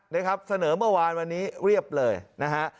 นะครับเสนอเมื่อวานวันนี้เรียบเลยนะฮะ